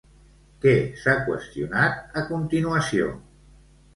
Què s'ha qüestionat a continuació?